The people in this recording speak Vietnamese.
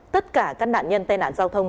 tất cả các nạn nhân tai nạn giao thông